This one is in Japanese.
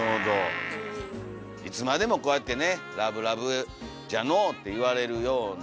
いつまでもこうやってね「ラブラブじゃのお」って言われるような。